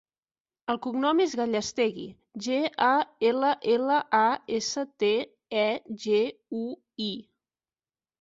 El cognom és Gallastegui: ge, a, ela, ela, a, essa, te, e, ge, u, i.